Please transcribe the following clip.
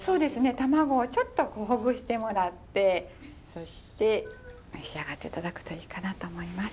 卵をちょっとこうほぐしてもらってそして召し上がって頂くといいかなと思います。